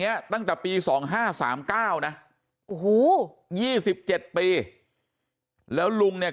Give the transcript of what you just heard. ตั้งแต่ปี๒๕๓๙นะโอ้โห๒๗ปีแล้วลุงเนี่ย